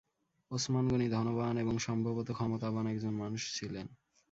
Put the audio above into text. ওসমান গনি ধনবান এবং সম্ভবত ক্ষমতাবান একজন মানুষ ছিলেন।